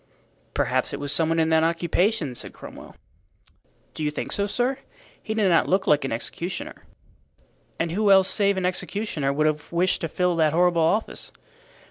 "Perhaps it was some one in that occupation," said Cromwell. "Do you think so, sir? He did not look like an executioner." "And who else save an executioner would have wished to fill that horrible office?"